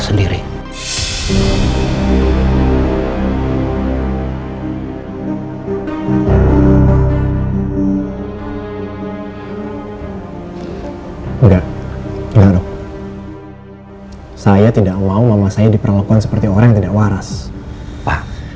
sendiri udah udah saya tidak mau mama saya diperlakukan seperti orang tidak waras pak